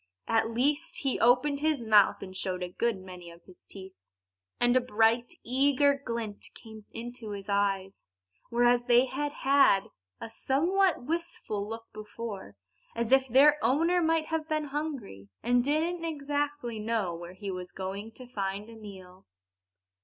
At least, he opened his mouth and showed a good many of his teeth. And a bright, eager glint came into his eyes; whereas they had had a somewhat wistful look before, as if their owner might have been hungry, and didn't exactly know where he was going to find a meal.